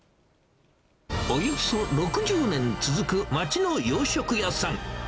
およそ６０年続く街の洋食屋さん。